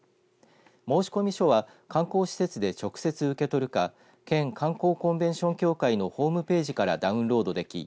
申込書は観光施設で直接、受け取るか県観光コンベンション協会のホームページからダウンロードでき